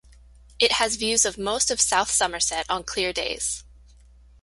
It has views of most of South Somerset on clear days.